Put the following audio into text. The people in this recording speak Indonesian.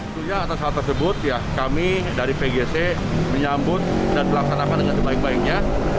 pertanyaannya adalah kami dari pgc menyambut dan berlaksanakan dengan sebaiknya